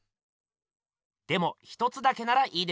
でも１つだけならいいでしょう。